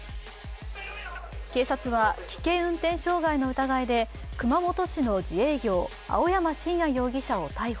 警察は、危険運転傷害の疑いで熊本市の自営業、青山真也容疑者を逮捕。